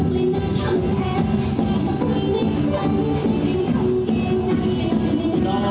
สุดท้ายก็ไม่มีเวลาที่จะรักกับที่อยู่ในภูมิหน้า